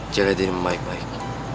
jangan diri baik baik